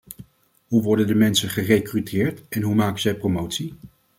Hoe worden de mensen gerekruteerd en hoe maken zij promotie?